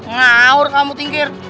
ngawur kamu tingkir